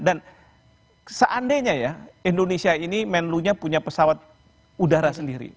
dan seandainya ya indonesia ini menelunya punya pesawat udara sendiri